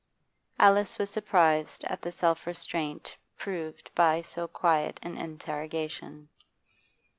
Alice was surprised at the self restraint proved by so quiet an interrogation.